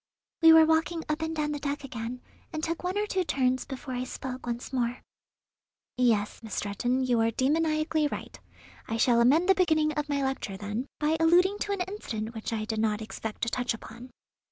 We were walking up and down the deck again, and took one or two turns before I spoke once more. "Yes, Miss Stretton, you are demoniacally right. I shall amend the beginning of my lecture, then, by alluding to an incident which I did not expect to touch upon.